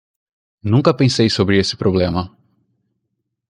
Nunca pensei sobre esse problema